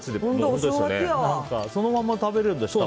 そのまま食べられるんですか？